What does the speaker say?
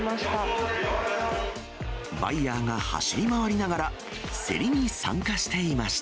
バイヤーが走り回りながら、競りに参加していました。